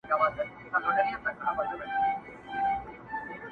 را حاضر یې کړل سویان وه که پسونه؛